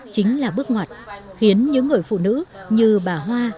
chính là bước ngoặt khiến những người phụ nữ như bà hoa